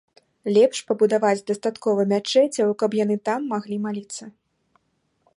Лепш пабудаваць дастаткова мячэцяў, каб яны там маглі маліцца.